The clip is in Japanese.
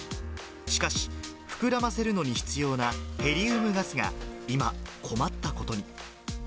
しかし、膨らませるのに必要なヘリウムガスが今、困ったことに。